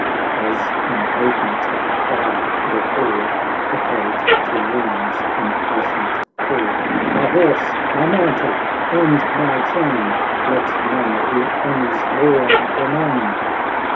— v As, impotent of ire, the hall Echoed to Lorn's impatient call, " My horse, my mantle, and my train ! Let none who honours Lorn remain